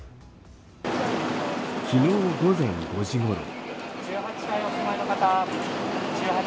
昨日午前５時ごろ。